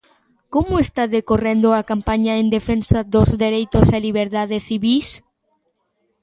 Como está decorrendo a campaña en defensa dos dereitos e liberdades civís?